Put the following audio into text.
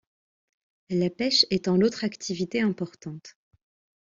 La pêche étant l'autre activité importante.